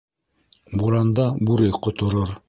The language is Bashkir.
Буранда бүре ҡоторор.